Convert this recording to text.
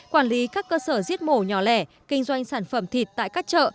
quản lý các cơ sở giết mổ nhỏ lẻ kinh doanh sản phẩm thịt tại các chợ